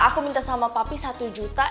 aku minta sama papi satu juta